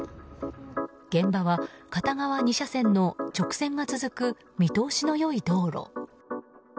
現場は片側２車線の直線が続く見通しの良い道路。